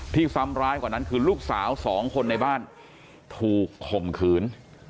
ซ้ำร้ายกว่านั้นคือลูกสาวสองคนในบ้านถูกข่มขืน